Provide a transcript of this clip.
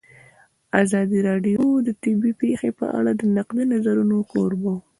ازادي راډیو د طبیعي پېښې په اړه د نقدي نظرونو کوربه وه.